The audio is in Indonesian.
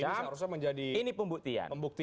ini seharusnya menjadi pembuktian